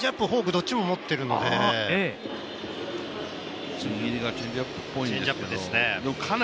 どっちも持っているのでチェンジアップっぽいかな。